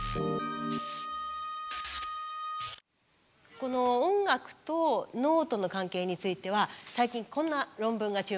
この音楽と脳との関係については最近こんな論文が注目を集めています。